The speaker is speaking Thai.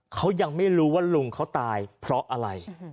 เขายังไม่รู้ว่าลุงเขาตายเพราะอะไร